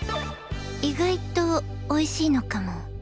意外とおいしいのかも？